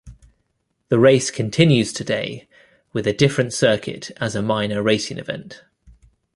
The race continues today with a different circuit as a minor racing event.